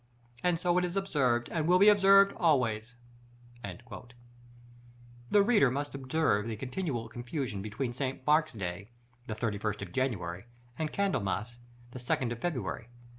And so it is observed, and will be observed always." The reader must observe the continual confusion between St. Mark's day the 31st of January, and Candlemas the 2nd of February.